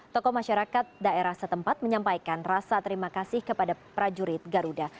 tokoh masyarakat daerah setempat menyampaikan rasa terima kasih kepada prajurit garuda